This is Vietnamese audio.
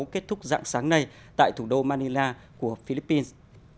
kết thúc dạng sáng nay tại thủ đô manila của philippines